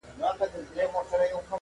ډېر عمر ښه دی عجیبي وینو؛